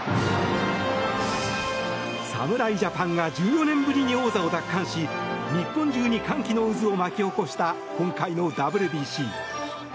侍ジャパンが１４年ぶりに王座を奪還し日本中に歓喜の渦を巻き起こした今回のＷＢＣ。